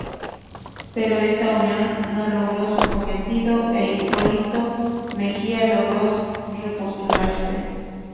Pero esta unión no logró su cometido e Hipólito Mejía logró re postularse.